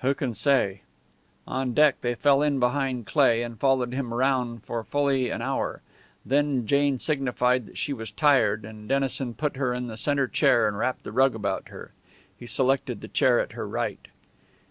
"Who can say?" On deck they fell in behind Cleigh, and followed him round for fully an hour; then Jane signified that she was tired, and Dennison put her in the centre chair and wrapped the rug about her. He selected the chair at her right.